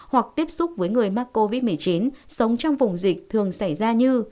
hoặc tiếp xúc với người mắc covid một mươi chín sống trong vùng dịch thường xảy ra như